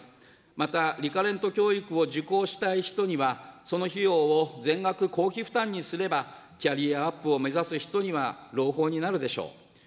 また、リカレント教育を受講したい人には、その費用を全額公費負担にすれば、キャリアアップを目指す人には朗報になるでしょう。